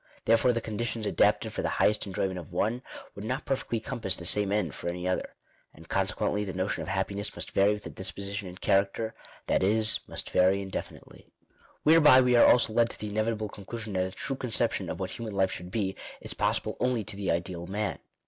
Therefore the conditions adapted fur the highest enjoyment of one, would not perfectly compass the same end for any other. And con sequently the notion of happiness must vary with the die* ■position and character ; that is, must vary indefinitely. Whereby we are also led to the inevitable conclusion that a true conception of what human life should be, is possible only to the ideal man.